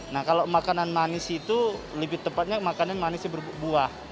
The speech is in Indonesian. nah kalau makanan manis itu lebih tepatnya makanan manisnya berbuah